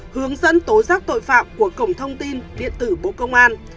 hướng dẫn tố giác tội phạm của cổng thông tin điện tử bộ công an